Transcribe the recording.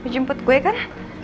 mau jemput gue kan